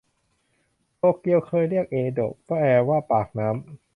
โตเกียวเคยเรียกว่าเอโดะแปลว่าปากน้ำ